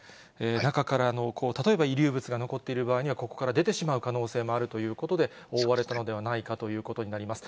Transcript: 中からの例えば遺留物が残っている場合には、ここから出てしまう可能性もあるということで、覆われたのではないかということになります。